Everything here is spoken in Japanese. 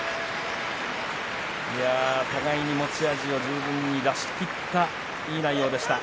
互いに持ち味を十分に出し切ったいい内容でした。